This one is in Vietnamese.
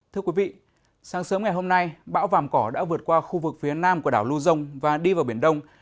thưa quý vị sáng sớm ngày hôm nay bão vàm cỏ đã vượt qua khu vực phía nam của đảo lưu dông và đi vào biển đông